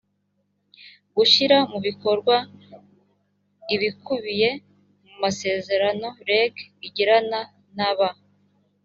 gushyira mu bikorwa ibikubiye mu masezerano reg igirana na ba